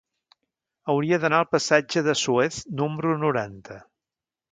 Hauria d'anar al passatge de Suez número noranta.